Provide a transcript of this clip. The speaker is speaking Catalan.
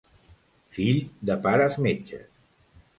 Fill de pares metges.